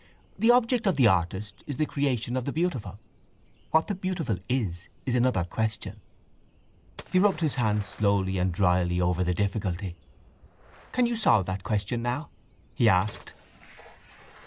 The object of the artist is the creation of the beautiful. What the beautiful is is another question. He rubbed his hands slowly and drily over the difficulty. —Can you solve that question now? he asked.